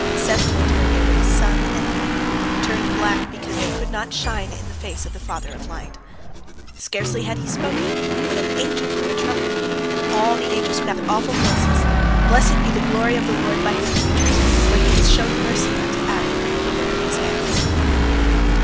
Seth told her, they were the sun and the moon, turned so black because they could not shine in the face of the Father of light. Scarcely had he spoken, when an angel blew a trumpet, and all the angels cried out with awful voices, "Blessed be the glory of the Lord by His creatures, for He has shown mercy unto Adam, the work of His hands!"